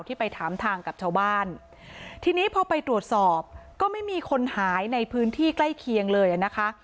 ไปถามทางกับชาวบ้านทีนี้พอไปตรวจสอบก็ไม่มีคนหายในพื้นที่ใกล้เคียงเลยอ่ะนะคะ